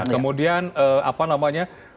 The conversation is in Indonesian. kemudian apa namanya